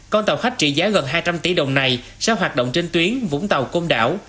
con tàu khách trị giá gần hai trăm linh tỷ đồng này sẽ hoạt động trên tuyến vũng tàu côn đảo